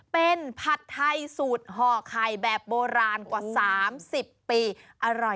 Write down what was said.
เป็นผัดไทยสูตรฮอคัยแบบโบราณกว่า๓๐ปี